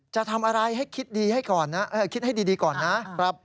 จะทำอะไรคิดให้ดีก่อนนะ